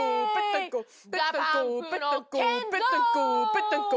ペッタンコ！